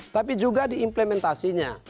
tapi juga di implementasinya